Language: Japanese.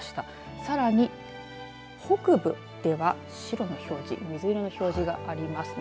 さらに、北部では白の表示水色の表示がありますね。